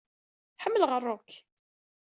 Ḥemmleɣ rock.